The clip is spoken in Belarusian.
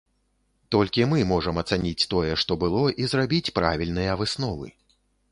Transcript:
Толькі мы можам ацаніць тое, што было і зрабіць правільныя высновы.